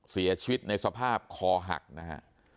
เสียชีวิตในสภาพคอหักนะฮะ